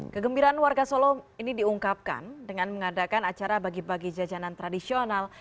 kegembiraan warga solo ini diungkapkan dengan mengadakan acara bagi bagi jajanan tradisional